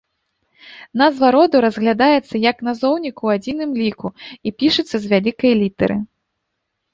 Назва роду разглядаецца як назоўнік ў адзіным ліку і пішацца з вялікай літары.